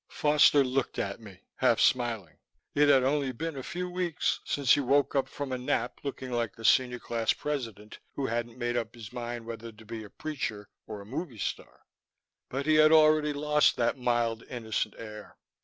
Foster looked at me, half smiling. It had only been a few weeks since he woke up from a nap looking like a senior class president who hadn't made up his mind whether to be a preacher or a movie star, but he had already lost that mild, innocent air.